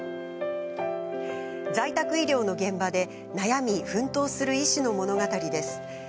在宅医療の現場で悩み、奮闘する医師の物語です。